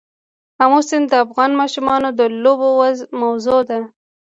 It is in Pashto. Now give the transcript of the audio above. آمو سیند د افغان ماشومانو د لوبو موضوع ده.